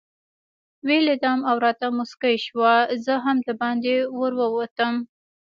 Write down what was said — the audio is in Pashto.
ویې لیدم او راته مسکۍ شوه، زه هم دباندې ورووتم.